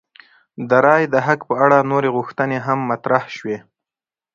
د رایې د حق په اړه نورې غوښتنې هم مطرح شوې.